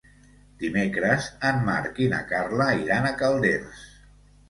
Dimecres en Marc i na Carla iran a Calders.